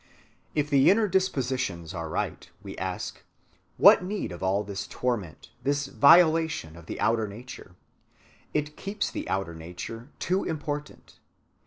If the inner dispositions are right, we ask, what need of all this torment, this violation of the outer nature? It keeps the outer nature too important.